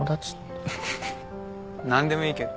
フフフ何でもいいけど。